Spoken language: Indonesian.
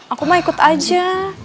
aku mah ikut aja